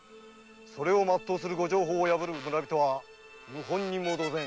それを全うするご定法を破る村人は謀反人も同然。